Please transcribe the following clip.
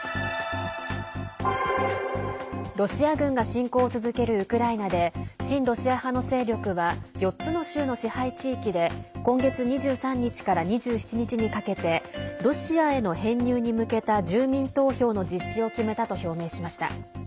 ロシア軍が侵攻を続けるウクライナで親ロシア派の勢力は４つの州の支配地域で今月２３日から２７日にかけてロシアへの編入に向けた住民投票の実施を決めたと表明しました。